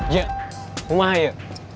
ya rumah saya